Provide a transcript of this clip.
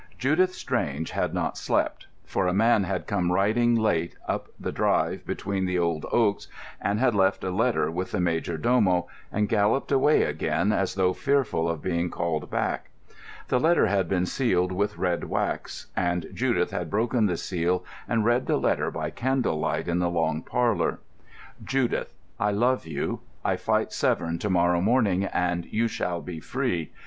Judith Strange had not slept, for a man had come riding late up the drive between the old oaks, and had left a letter with the major domo, and galloped away again as though fearful of being called back. The letter had been sealed with red wax, and Judith had broken the seal and read the letter by candle light in the long parlour. "JUDITH,—I love you. I fight Severn to morrow morning, and you shall be free.